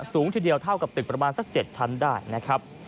ทีเดียวเท่ากับตึกประมาณสัก๗ชั้นได้นะครับ